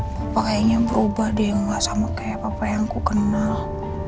papa kayaknya berubah deh gak sama kayak papa yang aku kenal